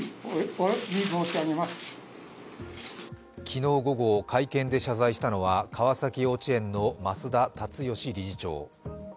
昨日午後、会見で謝罪したのは川崎幼稚園の増田立義理事長。